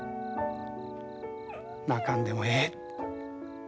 泣かんでもええ。